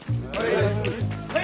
はい。